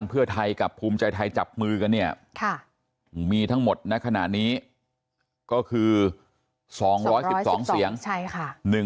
นะว่าครั้งไหนจับมือกันเนี่ยนะมีทั้งหมดนะขณะนี้ก็คือ๒๑๒เสียงใช่ค่ะ